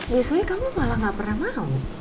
biasanya kamu malah gak pernah mau